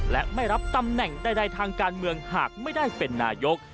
และไม่รับตำแหน่งใดทางการเมืองหากไม่ได้เป็นนายก